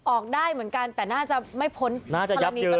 ออกได้เหมือนกันแต่น่าจะไม่พ้นธนาฬินิตกระตู